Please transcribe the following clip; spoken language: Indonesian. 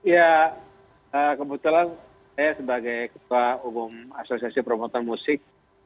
ya kebetulan saya sebagai ketua umum asosiasi promotor musik